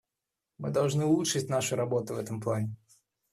Мы должны улучшить нашу работу в этом плане.